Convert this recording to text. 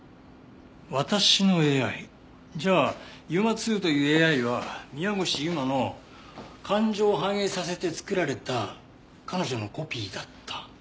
じゃあＵＭＡ−ⅡというＡＩは宮越優真の感情を反映させて作られた彼女のコピーだった。